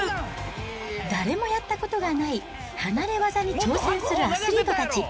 誰もやったことがない離れ業に挑戦するアスリートたち。